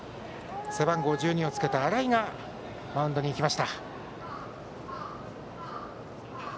背番号１２をつけた新井がマウンドに行きました。